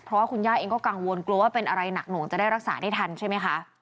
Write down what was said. เพราะว่าคุณย่าเองก็กังวลกลัวว่าเป็นอะไรหนักหน่วงจะได้รักษาได้ทันใช่ไหมคะ